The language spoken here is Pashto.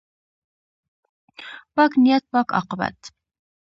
پاک نیت، پاک عاقبت.